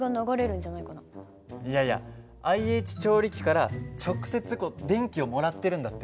いやいやＩＨ調理器から直接電気をもらってるんだって。